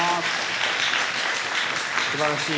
すばらしい。